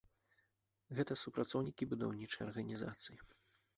Гэта супрацоўнікі будаўнічай арганізацыі.